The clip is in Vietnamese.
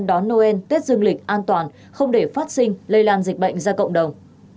đón noel tết dương lịch an toàn không để phát sinh lây lan dịch bệnh ra cộng đồng